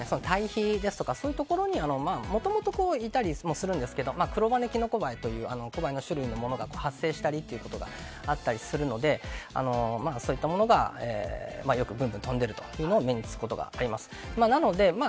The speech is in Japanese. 堆肥ですとかそういうところに、もともといたりもするんですけどクロガネキノコバエとかコバエの種類のものが発生したりということがあったりするのでそういったものがよくぶんぶん飛んでるのを目につくことがあります。